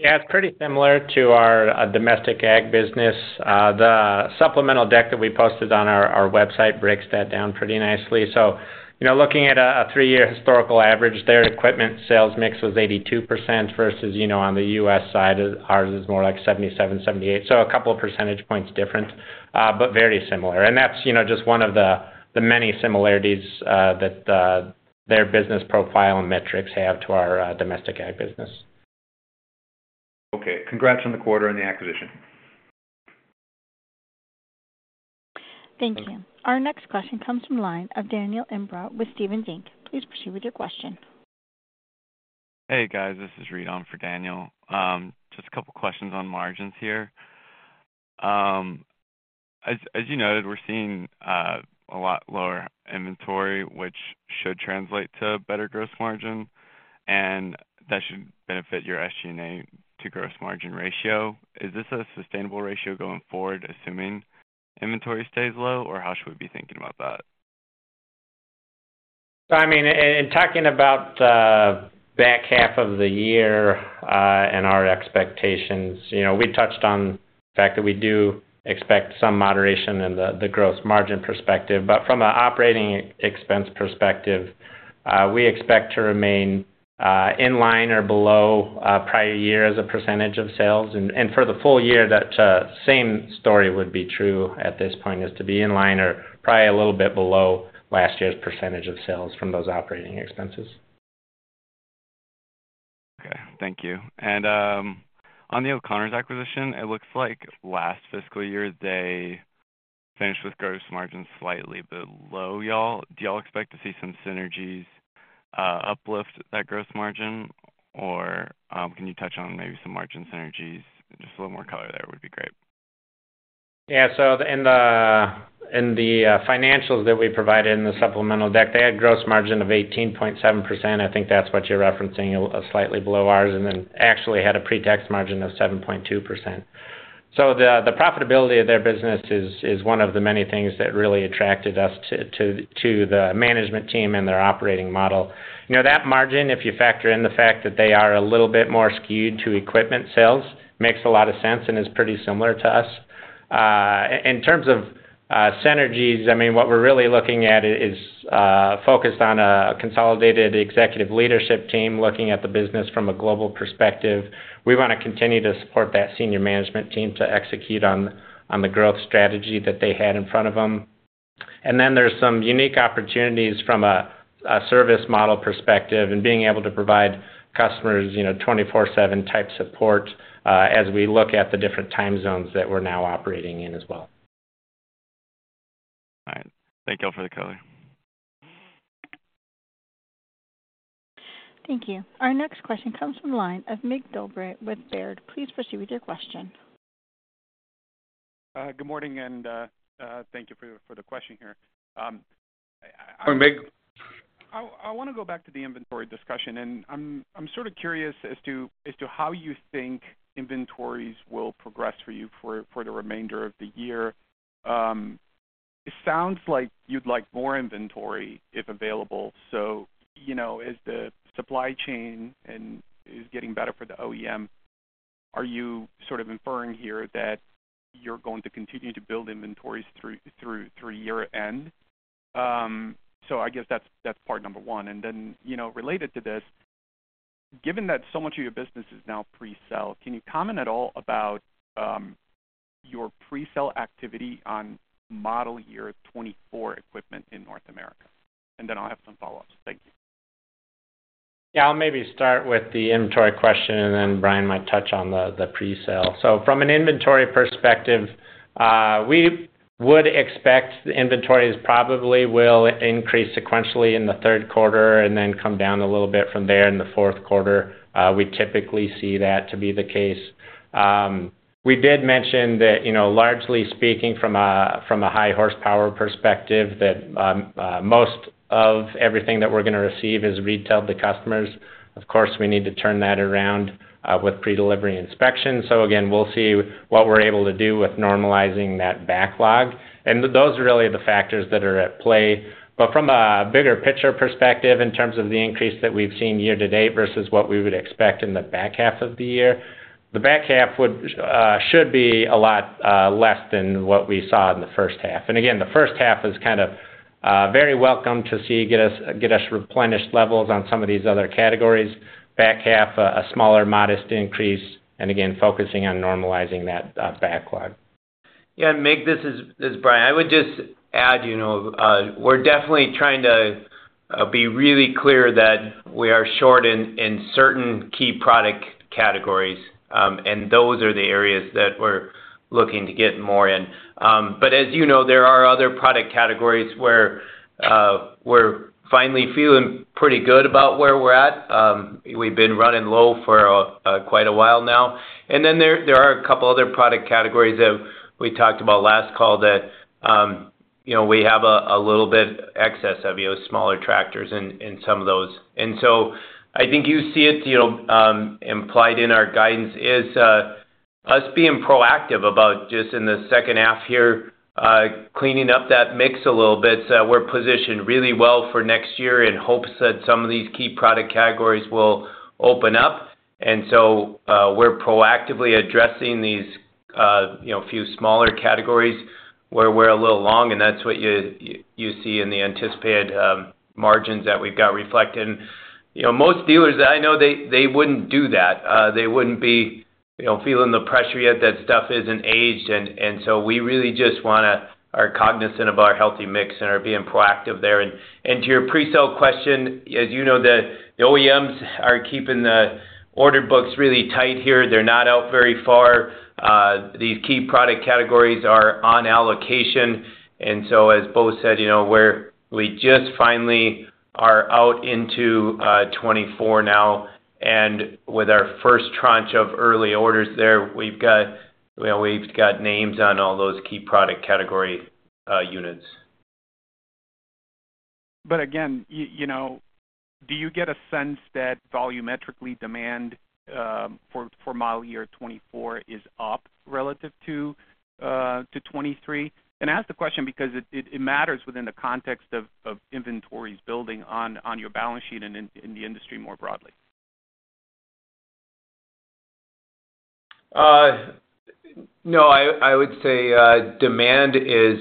Speaker 4: Yeah, it's pretty similar to our domestic ag business. The supplemental deck that we posted on our website breaks that down pretty nicely. So, you know, looking at a three-year historical average there, equipment sales mix was 82% versus, you know, on the US side, ours is more like 77%-78%. So a couple of percentage points different, but very similar. And that's, you know, just one of the many similarities that their business profile and metrics have to our domestic ag business.
Speaker 8: Okay. Congrats on the quarter and the acquisition.
Speaker 1: Thank you. Our next question comes from line of Daniel Imbro with Stephens Inc. Please proceed with your question.
Speaker 9: Hey, guys. This is Reed on for Daniel. Just a couple questions on margins here. As you noted, we're seeing a lot lower inventory, which should translate to better gross margin, and that should benefit your SG&A to gross margin ratio. Is this a sustainable ratio going forward, assuming inventory stays low, or how should we be thinking about that?...
Speaker 5: I mean, in talking about the back-half of the year, and our expectations, you know, we touched on the fact that we do expect some moderation in the gross margin perspective. But from an operating expense perspective, we expect to remain in line or below prior year as a percentage of sales. And for the full year, that same story would be true at this point, is to be in line or probably a little bit below last year's percentage of sales from those operating expenses.
Speaker 9: Okay. Thank you. And, on the O'Connors acquisition, it looks like last fiscal year, they finished with gross margin slightly below y'all. Do you all expect to see some synergies, uplift that gross margin? Or, can you touch on maybe some margin synergies? Just a little more color there would be great.
Speaker 5: Yeah. So in the financials that we provided in the supplemental deck, they had gross margin of 18.7%. I think that's what you're referencing, slightly below ours, and then actually had a pre-tax margin of 7.2%. So the profitability of their business is one of the many things that really attracted us to the management team and their operating model. You know, that margin, if you factor in the fact that they are a little bit more skewed to equipment sales, makes a lot of sense and is pretty similar to us. In terms of synergies, I mean, what we're really looking at is focused on a consolidated executive leadership team, looking at the business from a global perspective. We want to continue to support that senior management team to execute on the growth strategy that they had in front of them. And then there's some unique opportunities from a service model perspective and being able to provide customers, you know, 24/7 type support, as we look at the different time zones that we're now operating in as well.
Speaker 9: All right. Thank you all for the color.
Speaker 1: Thank you. Our next question comes from the line of Mig Dobre with Baird. Please proceed with your question.
Speaker 10: Good morning, and thank you for the question here. I-
Speaker 5: Morning, Mig.
Speaker 10: I want to go back to the inventory discussion, and I'm sort of curious as to how you think inventories will progress for you for the remainder of the year. It sounds like you'd like more inventory, if available. So, you know, as the supply chain is getting better for the OEM, are you sort of inferring here that you're going to continue to build inventories through year-end? So I guess that's part number one. And then, you know, related to this, given that so much of your business is now pre-sell, can you comment at all about your pre-sell activity on model year 2024 equipment in North America? And then I'll have some follow-ups. Thank you.
Speaker 5: Yeah. I'll maybe start with the inventory question, and then Bryan might touch on the pre-sell. So from an inventory perspective, we would expect the inventories probably will increase sequentially in the third quarter and then come down a little bit from there in the fourth quarter. We typically see that to be the case. We did mention that, you know, largely speaking, from a high-horsepower perspective, that most of everything that we're going to receive is retailed to customers. Of course, we need to turn that around with pre-delivery inspection. So again, we'll see what we're able to do with normalizing that backlog. And those are really the factors that are at play. But from a bigger picture perspective, in terms of the increase that we've seen year to date versus what we would expect in the back-half of the year, the back-half should be a lot less than what we saw in the first half. And again, the first half is kind of very welcome to see, get us replenished levels on some of these other categories. back-half, a smaller, modest increase, and again, focusing on normalizing that backlog.
Speaker 4: Yeah, Mig, this is Bryan. I would just add, you know, we're definitely trying to be really clear that we are short in certain key product categories, and those are the areas that we're looking to get more in. But as you know, there are other product categories where we're finally feeling pretty good about where we're at. We've been running low for quite a while now. And then there are a couple other product categories that we talked about last call that, you know, we have a little bit excess of, you know, smaller tractors in some of those. I think you see it, you know, implied in our guidance is us being proactive about just in the second half here, cleaning up that mix a little bit, so we're positioned really well for next year in hopes that some of these key product categories will open up. So, we're proactively addressing these, you know, few smaller categories where we're a little long, and that's what you see in the anticipated margins that we've got reflected. You know, most dealers I know, they wouldn't do that. They wouldn't be, you know, feeling the pressure yet that stuff isn't aged, so we really are cognizant of our healthy mix and are being proactive there. To your pre-sell question, as you know, the OEMs are keeping the order books really tight here. They're not out very far. These key product categories are on allocation. And so, as Bo said, you know, we just finally are out into 2024 now. And with our first tranche of early orders there, we've got, you know, we've got names on all those key product category units.
Speaker 10: But again, you know... Do you get a sense that volumetric demand for model year 2024 is up relative to 2023? And I ask the question because it matters within the context of inventories building on your balance sheet and in the industry more broadly.
Speaker 5: No, I would say demand is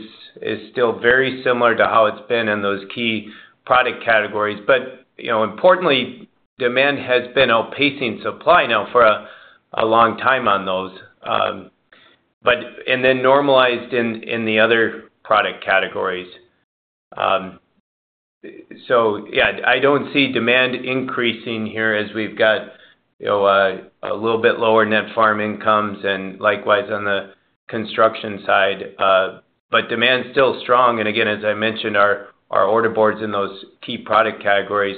Speaker 5: still very similar to how it's been in those key product categories. But, you know, importantly, demand has been outpacing supply now for a long time on those. But then normalized in the other product categories. So yeah, I don't see demand increasing here as we've got, you know, a little bit lower net farm incomes and likewise on the construction side. But demand is still strong. And again, as I mentioned, our order boards in those key product categories,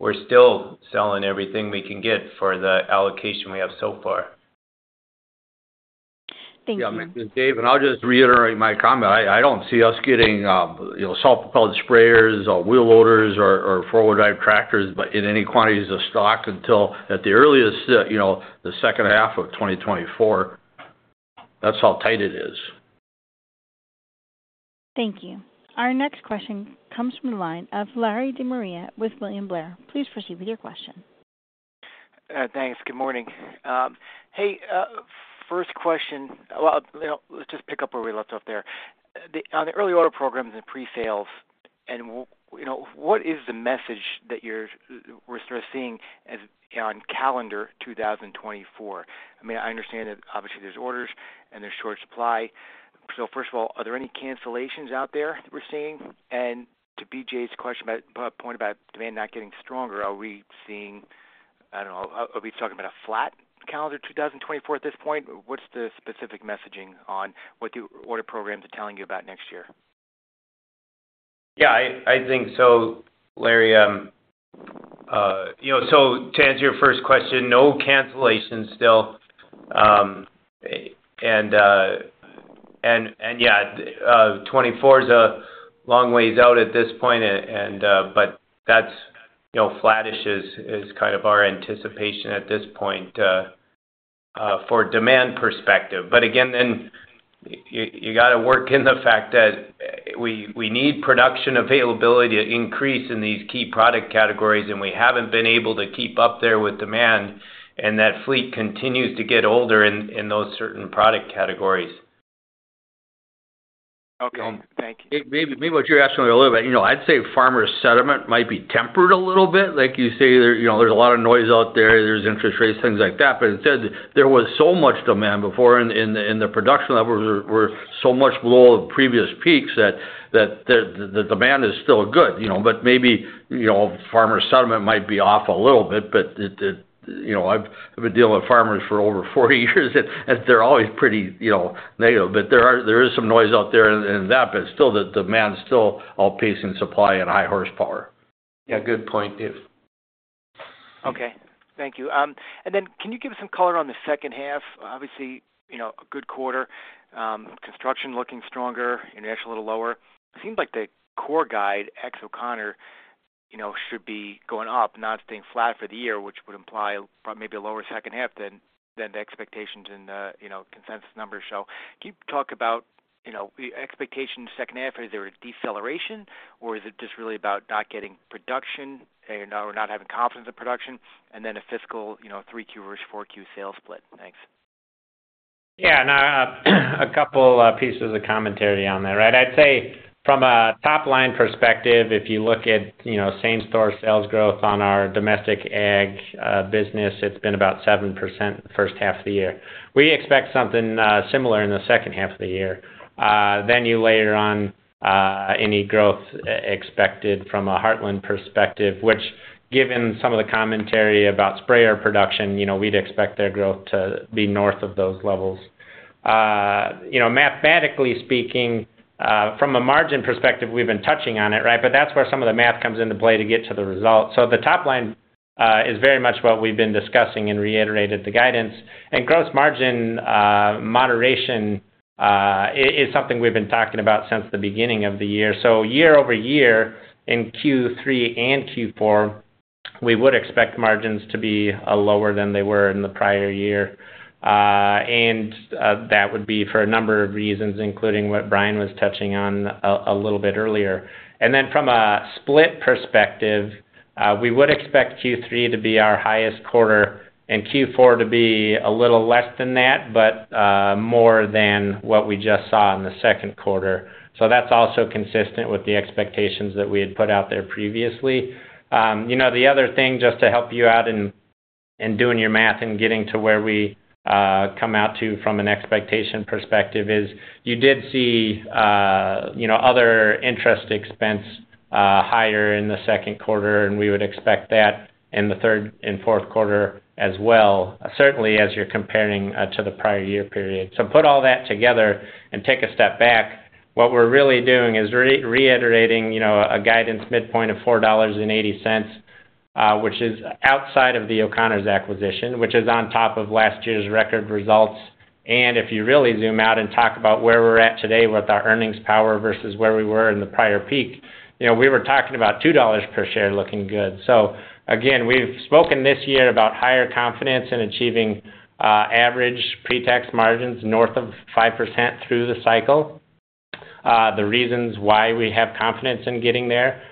Speaker 5: we're still selling everything we can get for the allocation we have so far.
Speaker 1: Thank you.
Speaker 3: Yeah, this is Dave, and I'll just reiterate my comment. I don't see us getting, you know, self-propelled sprayers or wheel loaders or four-wheel drive tractors, but in any quantities of stock until at the earliest, you know, the second half of 2024. That's how tight it is.
Speaker 1: Thank you. Our next question comes from the line of Larry DeMaria with William Blair. Please proceed with your question.
Speaker 11: Thanks. Good morning. Hey, first question. Well, let's just pick up where we left off there. On the early order programs and pre-sales, and you know, what is the message that you're, we're sort of seeing as on calendar 2024? I mean, I understand that obviously there's orders and there's short supply. So first of all, are there any cancellations out there we're seeing? And to BJ's question about, point about demand not getting stronger, are we seeing, I don't know, are we talking about a flat calendar 2024 at this point? What's the specific messaging on what the order programs are telling you about next year?
Speaker 5: Yeah, I think so, Larry. You know, so to answer your first question, no cancellations still. And yeah, 2024 is a long ways out at this point, and but that's, you know, flattish is kind of our anticipation at this point for demand perspective. But again, then you got to work in the fact that we need production availability to increase in these key product categories, and we haven't been able to keep up there with demand, and that fleet continues to get older in those certain product categories.
Speaker 11: Okay, thank you.
Speaker 3: Maybe, maybe what you're asking a little bit, you know, I'd say farmer-sentiment might be tempered a little bit. Like you say, there, you know, there's a lot of noise out there, there's interest rates, things like that. But instead, there was so much demand before, and the, and the production levels were so much below the previous peaks that the demand is still good, you know. But maybe, you know, farmer-sentiment might be off a little bit, but it, you know, I've been dealing with farmers for over 40 years, and they're always pretty, you know, negative. But there is some noise out there in that, but still, the demand is still outpacing supply and high-horsepower.
Speaker 5: Yeah, good point, Dave.
Speaker 11: Okay, thank you. And then can you give us some color on the second half? Obviously, you know, a good quarter, construction looking stronger, international a little lower. It seems like the core guide, ex O'Connors, you know, should be going up, not staying flat for the year, which would imply maybe a lower second half than the expectations and, you know, consensus numbers show. Can you talk about, you know, the expectation second half, is there a deceleration, or is it just really about not getting production or not having confidence in production, and then a fiscal, you know, 3Q versus 4Q sales split? Thanks.
Speaker 5: Yeah, now, a couple of pieces of commentary on that. Right. I'd say from a top-line perspective, if you look at, you know, same-store sales growth on our domestic ag business, it's been about 7% the first half of the year. We expect something similar in the second half of the year. Then you layer on any growth expected from a Heartland perspective, which, given some of the commentary about sprayer production, you know, we'd expect their growth to be north of those levels. You know, mathematically speaking, from a margin perspective, we've been touching on it, right? But that's where some of the math comes into play to get to the results. So the top line is very much what we've been discussing and reiterated the guidance. Gross margin moderation is something we've been talking about since the beginning of the year. So year-over-year, in Q3 and Q4, we would expect margins to be lower than they were in the prior year. And that would be for a number of reasons, including what Bryan was touching on a little bit earlier. And then from a split perspective, we would expect Q3 to be our highest quarter and Q4 to be a little less than that, but more than what we just saw in the second quarter. So that's also consistent with the expectations that we had put out there previously. You know, the other thing, just to help you out in doing your math and getting to where we come out to from an expectation perspective is: you did see, you know, other interest expense higher in the second quarter, and we would expect that in the third and fourth quarter as well, certainly as you're comparing to the prior year period. So put all that together and take a step back. What we're really doing is reiterating, you know, a guidance midpoint of $4.80, which is outside of the O'Connors acquisition, which is on top of last year's record results. And if you really zoom out and talk about where we're at today with our earnings power versus where we were in the prior peak, you know, we were talking about $2 per share looking good. So again, we've spoken this year about higher confidence in achieving average pre-tax margins north of 5% through the cycle. The reasons why we have confidence in getting there,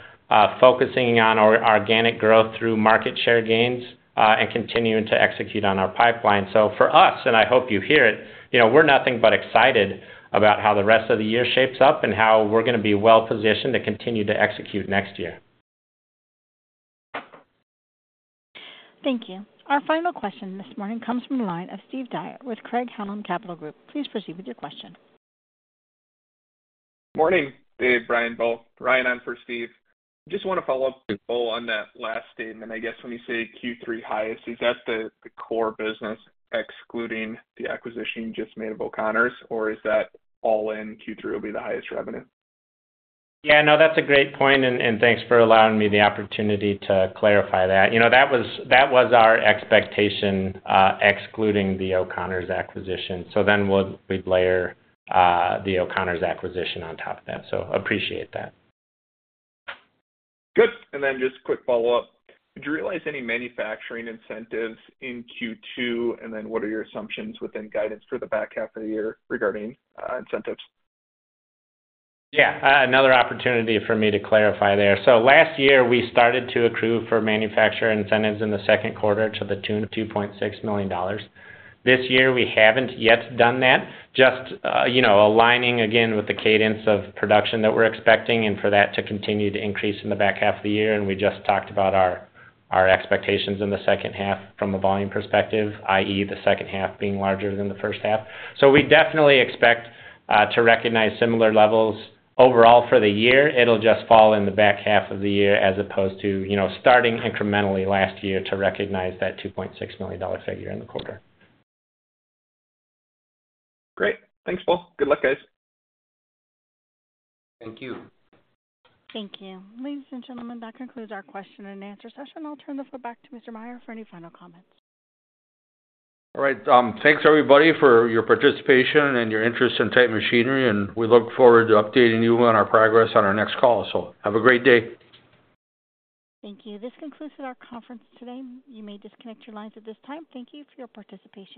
Speaker 5: focusing on our organic growth through market share gains, and continuing to execute on our pipeline. So for us, and I hope you hear it, you know, we're nothing but excited about how the rest of the year shapes up and how we're going to be well positioned to continue to execute next year.
Speaker 1: Thank you. Our final question this morning comes from the line of Steve Dyer with Craig-Hallum Capital Group. Please proceed with your question.
Speaker 12: Morning, Dave, Brian, Bo. Ryan on for Steve. Just want to follow up with Bo on that last statement. I guess when you say Q3 highest, is that the core business excluding the acquisition you just made of O'Connors, or is that all in Q3 will be the highest revenue?
Speaker 5: Yeah, no, that's a great point, and thanks for allowing me the opportunity to clarify that. You know, that was, that was our expectation, excluding the O'Connors acquisition. So then we'll layer the O'Connors acquisition on top of that. So appreciate that.
Speaker 12: Good. And then just quick follow-up. Did you realize any manufacturing incentives in Q2, and then what are your assumptions within guidance for the back-half of the year regarding incentives?
Speaker 5: Yeah, another opportunity for me to clarify there. So last year, we started to accrue for manufacturer incentives in the second quarter to the tune of $2.6 million. This year, we haven't yet done that. Just, you know, aligning again with the cadence of production that we're expecting and for that to continue to increase in the back-half of the year. And we just talked about our expectations in the second half from a volume perspective, i.e., the second half being larger than the first half. So we definitely expect to recognize similar levels overall for the year. It'll just fall in the back-half of the year as opposed to, you know, starting incrementally last year to recognize that $2.6 million figure in the quarter.
Speaker 12: Great. Thanks, Bo. Good luck, guys.
Speaker 5: Thank you.
Speaker 1: Thank you. Ladies and gentlemen, that concludes our question and answer session. I'll turn the floor back to Mr. Meyer for any final comments.
Speaker 3: All right. Thanks, everybody, for your participation and your interest in Titan Machinery, and we look forward to updating you on our progress on our next call. Have a great day.
Speaker 1: Thank you. This concludes with our conference today. You may disconnect your lines at this time. Thank you for your participation.